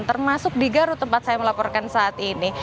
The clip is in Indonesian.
termasuk di garut tempat saya melaporkan saat ini